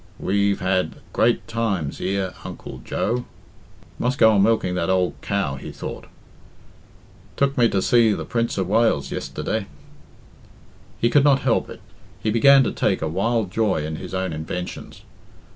"Weve had grate times ear uncle Jo " "Must go on milking that ould cow," he thought "tuk me to sea the prins of Wales yesterda" He could not help it he began to take a wild joy in his own inventions.